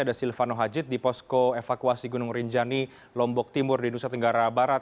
ada silvano hajid di posko evakuasi gunung rinjani lombok timur di nusa tenggara barat